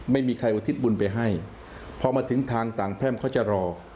ไม่มีใครอุทิศบุญไปให้พอมาถึงทางสามแพร่มเขาจะรอ